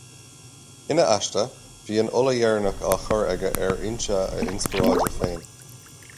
Ina aiste, bhí an ola dheireanach á cur aige ar fhoinse a inspioráide féin.